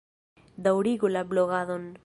Daŭrigu la blogadon!